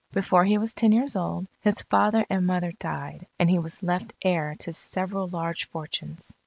Before he was ten years old, his father and mother died and he was left heir to several large fortunes.